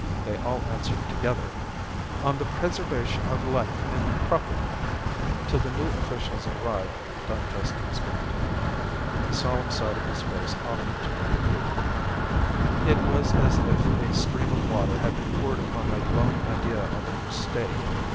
They all answered together, 'On the preservation of life and property.' 'Till the new officials arrive,' Don Juste explained to me, with the solemn side of his face offered to my view. It was as if a stream of water had been poured upon my glowing idea of a new State.